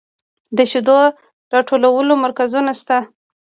د شیدو راټولولو مرکزونه شته